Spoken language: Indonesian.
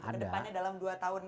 ke depannya dalam dua tahun